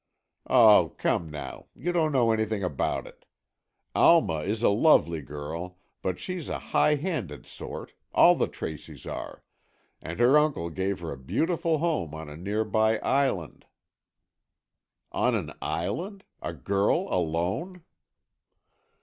"Oh, come now, you don't know anything about it. Alma is a lovely girl, but she's a high handed sort—all the Tracys are—and her uncle gave her a beautiful home on a near by island——" "On an island? A girl, alone!"